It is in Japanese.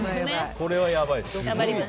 これはやばいです。